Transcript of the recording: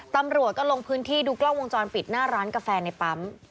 ตำรวจก็ลงพื้นที่ดูกล้องวงจรปิดหน้าร้านกาแฟในปั๊ม